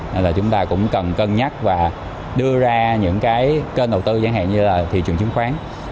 nên là chúng ta cũng cần cân nhắc và đưa ra những cái kênh đầu tư chẳng hạn như là thị trường chứng khoán